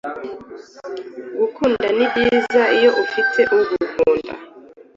gukunda nibyiza iyo ufite ugukunda